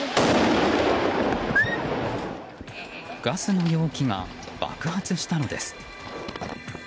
ガスの容器が爆発したのです。